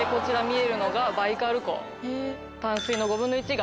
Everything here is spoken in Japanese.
え